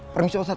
permisi pak ustaz